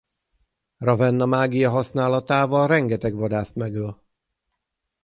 Ravenna mágia használatával rengeteg vadászt megöl.